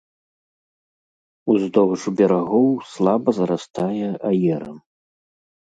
Уздоўж берагоў слаба зарастае аерам.